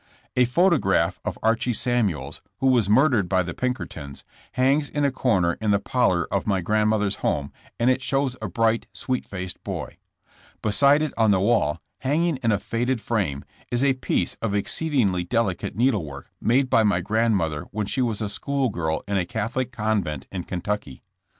A photograph of Archie Samuels, who was murdered 86 JESSE JAMES. by the Pinkertons, hangs in a comer in the parlor of my grandmother's home and it shows a bright, sweet faced boy. Beside it on the wall, hanging in a faded frame, is a piece of exceedingly delicate needlework made by grandmother when she was a school girl in a Catholic convent in Kentucky.